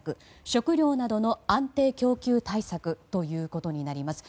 食料などの安定供給対策ということになります。